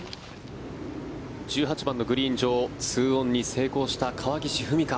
１８番のグリーン上２オンに成功した川岸史果。